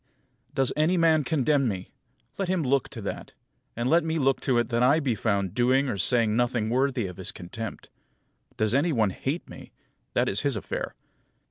13. Does any man contemn me? Let him look to that. And let me look to it that I be found doing or saying nothing worthy of his contempt. Does any one hate me? That is his affair.